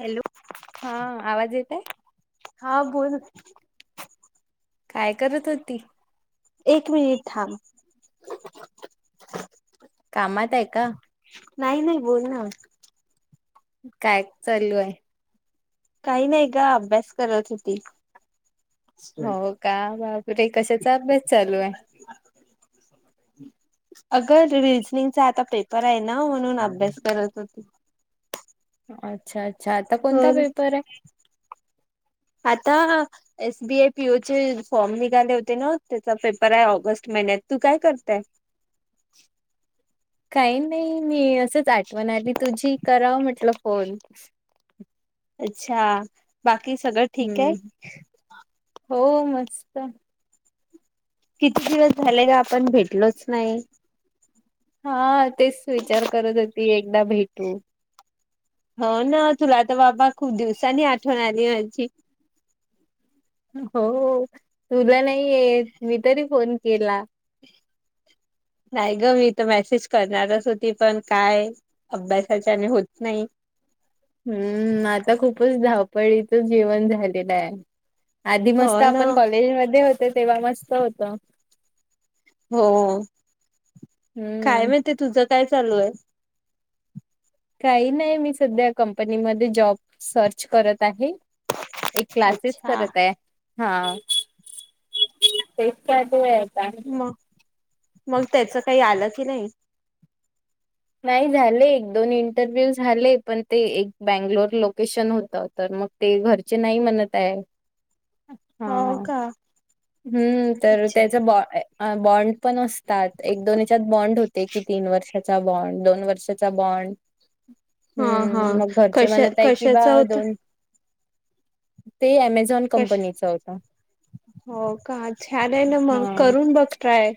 Hello! हा आवाज येतोय? हा बोल. काय करत होती? एक मिनिट थांब. कामात आहे का? नाही, नाही बोल ना. काय चालू आहे? काही नाही ग अभ्यास करत होती. हो का बापरे! कशाचा अभ्यास चालू आहे? [inaudible] अग रिजनिंगचा आता पेपर आहे ना म्हणून अभ्यास करत होते. अच्छा! अ बोल आता... एस बी आय पीओ चे फॉर्म निघाले होते ना त्याचा पेपर आहे ऑगस्ट महिन्यात. तू काय करते? [inaudible] [inaudible] काही नाही मी असंच आठवण आली तुझी कराव म्हटलं फोन. [inaudible] अच्छा! बाकी सगळं ठीक आहे? हम्म हो मस्त. किती दिवस झालेय ग आपण भेटलोच नाही. हा तेच विचार करत होती एकदा भेटू. हो ना तुला तर बाबा. खूप दिवसांनी आठवण आली माझी. हो तुला नाही येत. मी तरी फोन केला. नाही ग. मी तर मेसेज करणारच होती पण काय. अभ्यासाच्या ने होत नाही. हम. आता खूपच धावपळीच जेवन झालेलं आहे. आधी मस्त हो आपण ना कॉलेज मध्ये होत तेव्हा मस्त होतो. हो काय हम्म माहिती तुझं काय चालू आहे? काही नाही. मी सध्या कंपनीमध्ये जॉब सर्च करत आहे. एक क्लासेस अच्छा. करत आहे. हा तेच का. ते. मग-मग त्याच काही आलं की नाही. नाही झाले एक दोन इंटरव्ह्यू झाले. पण ते एक बैंगलोर लोकेशन होत तर. मग ते घरचे नाही म्हणत आहे. हा. हो हा. का हम. तर अच्छा. त्याच बा बॉण्ड पण असत. एक दोनच्यात बॉण्ड होते. की तीन वर्षाचा बॉण्ड. दोन वर्षाचा बॉन्ड. हा हा हम मग घरच्या कशा म्हणत आहे कि बा कशाचा होता? दोन. ते अमेझॉन कश कंपनीच होता. हो का छान आहे ना मग करून बघ ट्राय.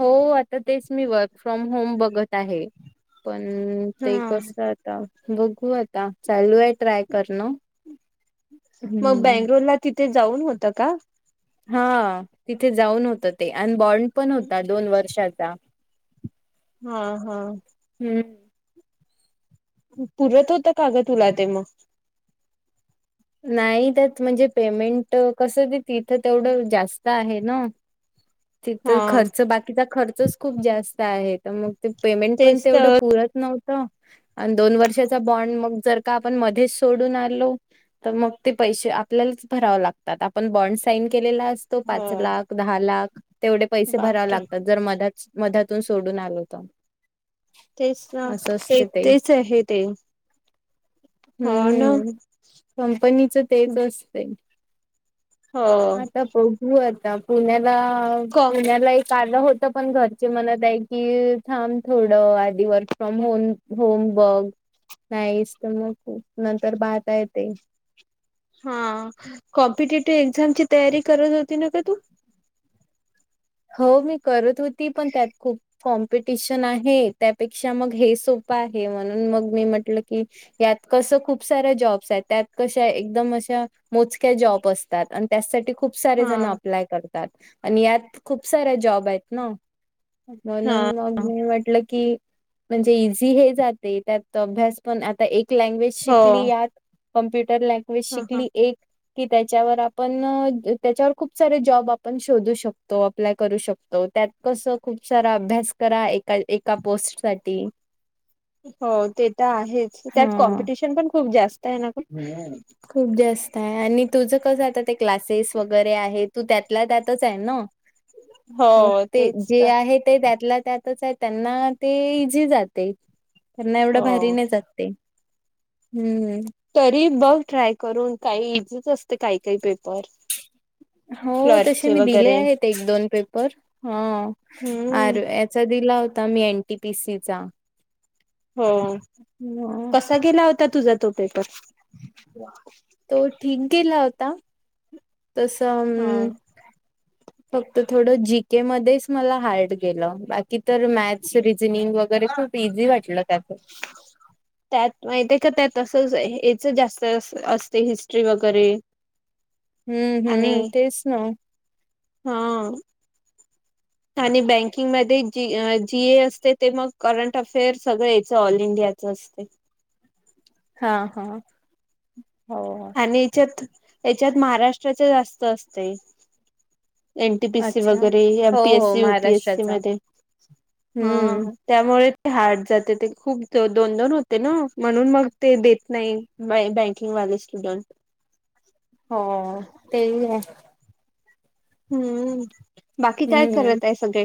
हो आता तेच मी वर्क फ्रॉम होम बघत आहे. पण. हम हा. ते कसं आता बघू आता चालू आहे ट्राय करणं मग हम्म बेंगळुरला तिथे जाऊन होतं का तथे जाऊन होत ते आणि बॉन्ड पण होता दोन वर्षाचा हा हा हम्म पुरत होत काग तुला ते मग नाही त्यात म्हणजे पेमेंट कसं ते तिथं तेवढं जास्त आहे ना तिथ हा खर्च बाकीचा खर्चच खूप जास्त आहे तर मग ते पेमेंट पण तेच तेवढं तर पुरत नव्हतं आणि दोन वर्षाचा बॉन्ड मग जर का आपण मध्येच सोडून आलो तर मग ते पैसे आपल्यालाच भराव लागतात आपण बॉन्ड साईन केलेला हा च लाख दहा लाख तेवढे पैसे भराव बापरे लागतात जर मध मधातून सोडून आलो होत तेच ना ते तेच आहे ते हो ना हम्म कंपनीच तेच असते हो आता बघू आता पुण्याला क पुण्याला एक कारण होत पण घरचे मणत आहे की थांब थोडं आधी वर्क फ्रॉम होम होम बघ नाहीस तर मग खू नंतर पाहता येत हा कॉम्पिटेटिव्ह एक्झामची तयारी करत होती ना का तू हो मी करत होती पण त्यात खूप कॉम्पिटिशन आहे त्यापेक्षा मग हे सोपं आहे म्हणून मग मी म्हटलं कीत कसं खूप साऱ्या जॉब्स आहेत त्यात कशा एकदम अशा मोजक्या जॉब असतात आणि त्यासाठी खूप सारे हा जण अप्लाय करतात आणि यात खूप साऱ्या जॉब आहेत ना हा म्हणून मग मी म्हटलं की म्हणजे इझी हे जाते त्यात अभ्यास पण आता एक लँग्वेज हो शिकली यात कम्प्युटर लँग्वेज ह ह शिकली एक कि त्याच्यावर आपण त्याच्यावर खूप सारे जॉब आपण शोधू शकतो तो अप्लाय करू शकतो त्यात कस खूप सारा अभ्यास करा एका एका पोस्ट सा हो ते तर आहेच त्यात हा कॉम्पिटिशन पण खूप जास्त आहे ना खूप जास्त आणि तुझं कसं आता ते क्लासेस वगैरे आहे तू त्यातला त्यातच आहे ना मग हो ते तेच जे तर आहे ते त्यातलाच त्यातच आहे त्यांना ते इझी जाते त्यांना एवढं हो भारी नाही जातते हम्म तरी बघ ट्राय करून काही इझीच असते काही काही पेपर हो तसे क्लर्कचे मी दिले वगैरे आहेत एक दोन पेपर हा आर हम्म याचा दिला होता मी एनटीपीसीचा हो कसा गेला होता तुझा तो पेपर तो ठीक गेला होता तस हा फक्त थोड जिंकता के मध्येच मला हार्ड गेलं बाकी तर मॅथ्स रिजनिंग वगैरे खूप इझी वाटलं त्यात त्यात माहि का त्यातच हच जास्त असते हिस्ट्री वगैरे हम्म आणि हम्म तेच ना हा [inaudible] आणि बँकिंगमध्येध्ये जी जीए असते ते मग करंट अफेअर्स सगळं यायचं ऑल इंडियाचं नस्ते हा हा हो हो. आणि याच्यात याच्यात महाराष्ट्राच जास्त असते एन. टी. पी. सी अच्छा वगैरे. एम. हो पीए. हो ससी. यु. पीए. ससी महाराष्ट्राचा मध्ये. हा हम्म त्यामुळे. ते हार्ड जाते ते खूप दोन-दोन होते ना. म्हणून मग ते देत नाही बँकिंग वाले. स्टुडट. हो. ते ही आहे. हम्म! बाकी काय हम्म करत आहे सगळे?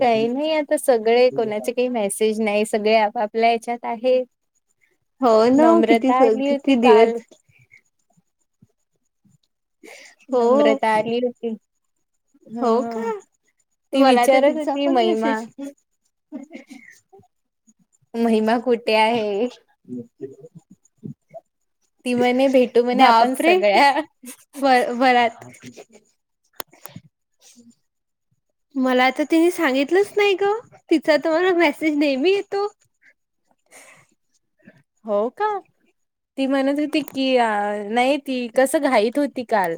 काही नाही आता सगळे कोणाचे काही मेसेज नाही सगळे आपापल्या हेच्यात आहे हो ना किती नम्रता आली होती किती काल दिवस हो. हो हम.. का ती मला तर विचारत तिचा होती पण महिमा मेसेज [inaudible] महिमा कुठे आहे? ती म्हणे भेटू [inaudible] म्हणे आपण बापरे! सगळ्या वर वरात मला तर ती सांगितलीच नाही ग तिचा तर मेसेज नेहमी येतो. हो. का ती म्हणत होती की अ नाही ती कसं घाईत होती काल.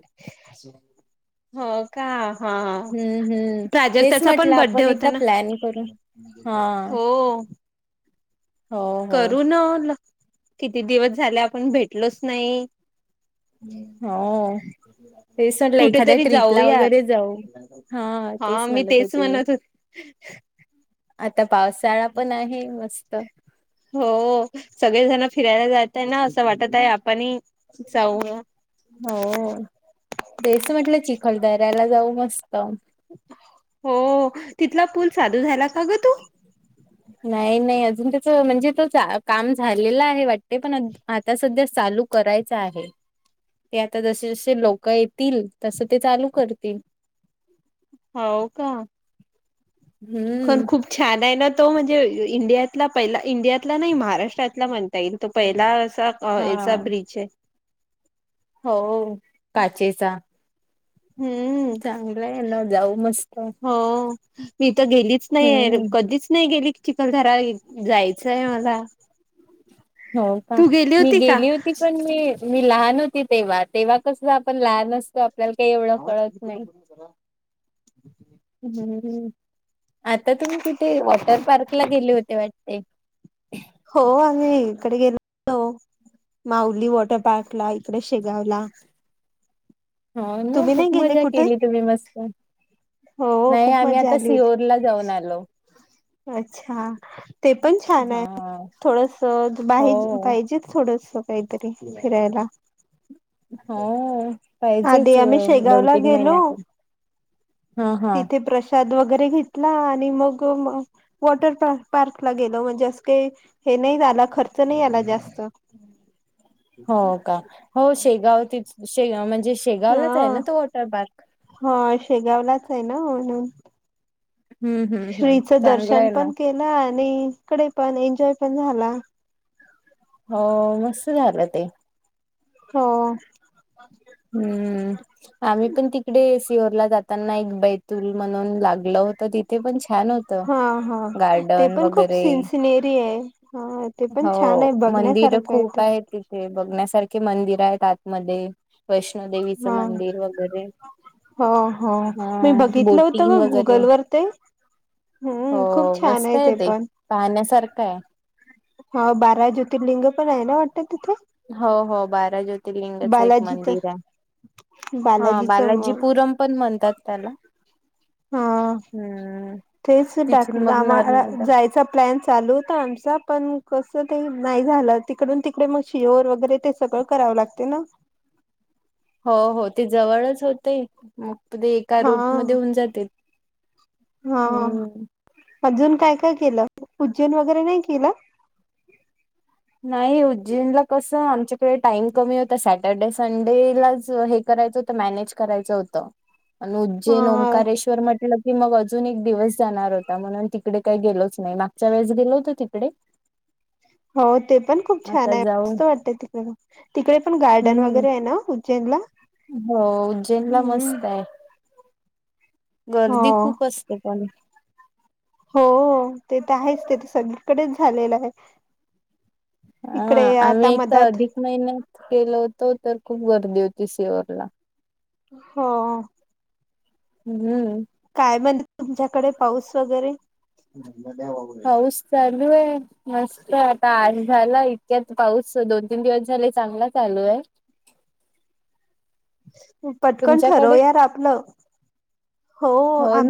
हो का हा हा. हम्म हम्म तेच प्राजक्ताचा पण म्हटलं बड्डे आपण होत एकदा ना प्लॅन करू हा हो... हो हो करू न किती दिवस झाले आपण भेटलोच नाही. हो. ते सगळ एखाद्या ट्रीपला वगैरे जाऊ हा हां मी तेच होती मी म्हणत होत आता पावसाळा पण आहे मस्त होओ सगळेजण फिरायला जात आहेना असं वाटत आहे आपणही जाऊया. हो ओ तेच म्हटलं चिखलदाऱ्याला जाऊ मस्त! हो तिथला पूल चालू झाला का ग तू नाई-नाई आजुन. अ त्याच म्हणजे तेच काम झालेलं आहे वाटत. पण आता सध्या चालू करायच आहे. ते आता जशे-जशे लोक येतील. तस ते चालू करतील. होव का. खण हम्म. खूप छान आय ना तो म्हणजे इंडियातला पहिला इंडियातला नाहीं महाराष्ट्रातला म्हणता येईल तो पहीला. [unintelligible] हा हेचा ब्रिच हाय. हो ओ काचेचा. हम्म चांगलंय ना जाऊ मस्त. हो मी तर गेलीच नाही. हम्म कधीच नाही गेली चिखलधरा जायचंय मला. हो का. तू मी होती का गेली होती. पण मी लहान होती. तेवा-तेवा कस आपण लहान असतो. आपल्याला काही एवढं कळत नाई. हम्म. आता तुम्ही कुठे वॉटर पार्क ला गेले होते वाटतेय. हो आम्ही इकडे गेलतो. माउली वॉटर पार्क ला इकडे शेगावला. हाव ना तुम्ही नाही खूप गेले मजा कुठे केली तुम्ही मस्त. हो नाई खूप आम्ही मजा आता आली होती सिओरला जाऊन आलो. अच्छा ते पण छान हाय. हां. थोडस बा हो, पाहिजे थोडस काहीतरी फिरायला. हो काय. आधी आम्ही शेगावला गेलो. हां, हां. तिथे प्रशाद वगैरे. तरी इथन आणि मग वॉटरपार्कला गेलो म्हणजे अस काही हे नाही काय आला खर्च नाइ आला जास्त हो का हो शेगाव ते म्हणजे शेगावलाच आहे ना तो वॉटर पार्क? हां शेगावलाच आहे ना म्हणून हं, हं, हं. श्रीच चांगलं दर्शन आहे ना. पण केलं, आणि तिकडे पण एन्जॉय पण झाला. हो. मस्त झालं ते हो. हम्म आम्ही पण तिकडे सिओरला जाताना एक बैतूल म्हणून लागल होत तिथेपण छान होत हा हा ते गार्डन पण खूप वगैरे सिनसिनेरी आहे हा ते पण छान हो. आहे मंदिर बघण्यासारखं आहे खूप ते आहेत तिथे बगण्यासारखे मंदिर आहेत आतमध्ये वैष्णोदेवीचं मंदिर वगेरे हं हं मी बघितलं होतं ग वगैरे गुगल वर ते हो हम्म खूप छान मस्त! आहे ते पण पाहण्यासारखं आहे. हा बारा ज्योतिर्लिंग पण आहे ना वाटतं तिथे? हो, हो. बारा ज्योतिर्लिंगचं एक बालाजीच मंदिर आहे. हा बालाजीच बालाजी म पुरम पण म्हणतात त्याला. हा हम्म. तेच टाक तिथून मग आम्हाला नर्मदा जायचा प्लॅन चालू होता आमचा पण कसं ते नाही झालं तिकडून तिकडे मग शिओर वगैरे ते सगळं करावं लागतं. ते ना. हो, हो. ते जवळच होतय. एका हा रूट मध्ये होऊन जातय. हा हम् अजून काय-काय केलं? उज्जैन वगैरे नाही केलं? नाही उज्जैनला कस आमच्याकडे टाइम कमी होता. सॅटर्डे संडेलाच हे करता मॅनेजर करायचं होत. आणि उज्जैन. हा ओंकारेश्वर. मध्ये तर म्हलं की. मग अजून एक दिवस जाणार होता म्हणून तिकडे काही गेलोच नाही. मागच्या वेळेस गेलो होत तिकडे [inaudible] हो ते पण खूप छान आता आहे. जाऊ मस्त वाटत तिकडे-तिकडे पण गार्डन हम्म वगैरे आहे ना. उज्जैन ला. हो उज्जैन ला मस्त आहे. हो गर्दी खूप असते पण. हो ते तर आहेच ते तर सगळीकडेच झालेलं आहे. हा इकडे आम्ही आता एक तर मधात अधिक महिन्यात. केलं होतो. तर खूप गर्दी होती सेअरला. हो. हम्म. काय म्हण तुमच्याकडे पाऊस वगैरे?. बधूय मस्त आहे आता आज झाला. त्यात पाऊस दोन-तीन दिवस झाले चांगला चालू आहे. पटकन ठरव तुमच्याकडे यार आपलं. हो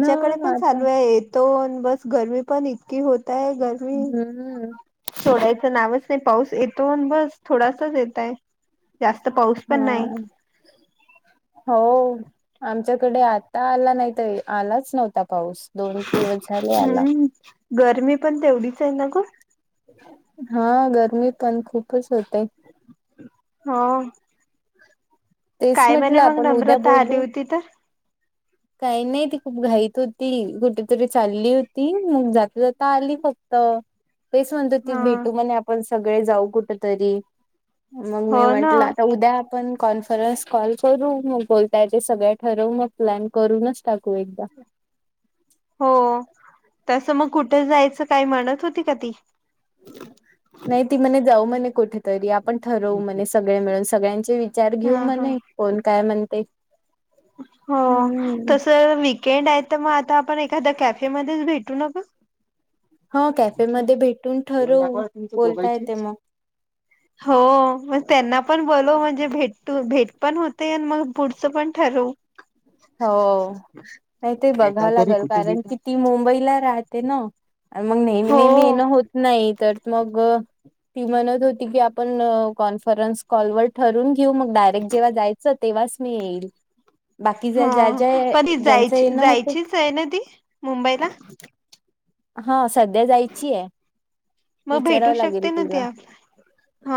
ना पण आता चालू आहे. येतो बस गर्मी पण इतकी होते. गरमी हम्म ोड्या [unintelligible] नावच नाही पाऊस येतो बस थोडासाच येतय. जास्त पाऊस पण हा नाही हो आमच्याकडे आता आला नाहीत आलाच नव्हता. पाऊस दोन दिवस झाले आला. हम्म गरमी पण तेवढीच आहे ना ग? हा गरमी तर खूपच होते. हो. तेच काय म्हणे म्हटलं मग आपण उद्या नम्रता आली बोलू होती तर काही नाही ती खूप घाईत होती कुठेतरी चालली होती मग जाता जाता आली फक्त तर काहीच म्हणतो ती हा भेटू म्हणे आपण सगळे जाऊ कुठ तरी मग हो मी ना म्हटलं आता उद्या आपण कॉन खरंच कॉल करू मग बोलताय ते सगळ ठरवू मग प्लॅन करूनच टाकू एकदा [inaudible] हो तसं मग कुठे जायचं काय म्हणत होती का ती नाही ती म्हणे जाऊ म्हणे कुठेतरी आपण ठरवू म्हणे सगळे मिळून सगळ्यांचे विचार ह घेऊ ह म्हणे कोण काय म्हणते हो हम्म तस विक केंड आहे तर मग आता आपण एखादा्या कॅफेमध्येध्येच भेटू न ग हा कॅफेमध्येध्ये भेटून ठरवू बोलता येते मग हो मग त्यांना पण बोल म्हणजे भेट भेट पण होते आणि मग पुढचं पण ठरव हो नाही ते बघावं लागेल कारण कि ती मुंबईला राहते ना मग नेहमी हो नेहमी येणं होत नाही तर मग ती म्हणत होती की आपण कॉन्फरन्स कॉलवरर ठरून घेऊ मग डायरेक्ट जेव्हा जायचं तेव्हा रशम येईल बाकी ज्या ह ज्या पण ज्या ती ज्यांचं जायची येणं होते जायचीच आहे ना ती मुंबईला हा सध्या जायची आहे मग भेटू विचारावं लागेल शकते ना ती तिला आप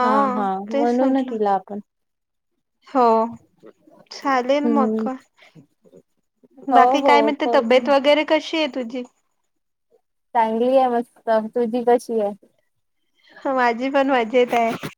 हा हा तेच म्हणू ना म्हटलं तिला आपण हो चालेल हम्म मग हो बाकी हो काय मा तब्येत करून वगैरे कशी आहे तुझी चांगली आहे मस् तुझी कशी आहे माझी पण मजेत आहे